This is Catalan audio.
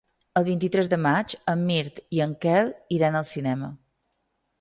El vint-i-tres de maig en Mirt i en Quel iran al cinema.